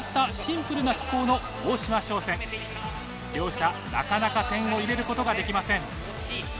両者なかなか点を入れることができません。